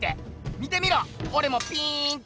見てみろおれもピーンって。